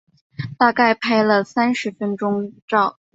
大概拍了三十分钟照